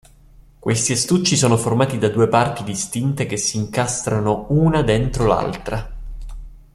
Questi astucci sono formati da due parti distinte che si incastrano una dentro l'altra.